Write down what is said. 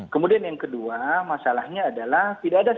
kemudian yang kedua masalahnya adalah tidak ada standar yang dibuat